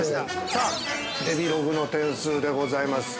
さあ、デヴィログの点数でございます。